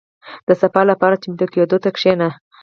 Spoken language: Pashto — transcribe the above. • د سبا لپاره چمتو کېدو ته کښېنه.